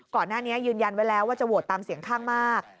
ก่อนหน้านี้ยืนยันไว้แล้วว่าจะโหวตตามเสียงข้างมาก